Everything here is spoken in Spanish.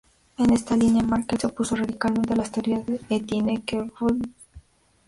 En esta línea, Meckel se opuso radicalmente a las teorías de Étienne Geoffroy Saint-Hilaire.